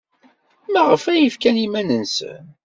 Maɣef ay fkan iman-nsen?